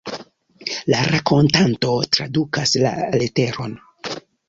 La rakontanto tradukas la leteron.